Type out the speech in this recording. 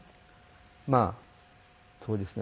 まあそうですね